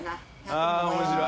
あ面白い。